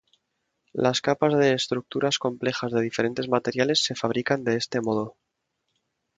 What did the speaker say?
Las capas de estructuras complejas de diferentes materiales se fabrican de este modo.